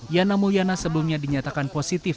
yana mulyana sebelumnya dinyatakan positif